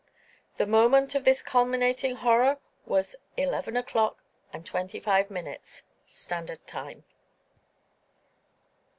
The moment of this culminating horror was eleven o'clock and twenty five minutes, standard time.